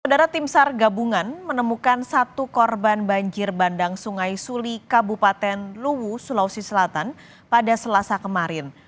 saudara tim sar gabungan menemukan satu korban banjir bandang sungai suli kabupaten luwu sulawesi selatan pada selasa kemarin